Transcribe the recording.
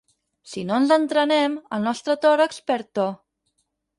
Si no ens entrenem, el nostre tòrax perd to.